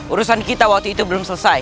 urusan kita waktu itu belum selesai